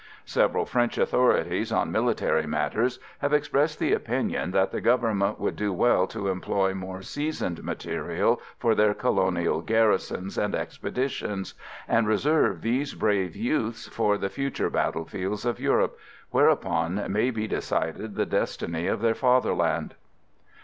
Several French authorities on military matters have expressed the opinion that the Government would do well to employ more seasoned material for their colonial garrisons and expeditions, and reserve these brave youths for the future battlefields of Europe, whereon may be decided the destiny of their fatherland.